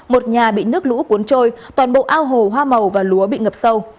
một nhà bị nước lũ cuốn trôi toàn bộ ao hồ hoa màu và lúa bị ngập sâu